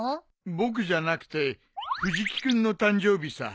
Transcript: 僕じゃなくて藤木君の誕生日さ。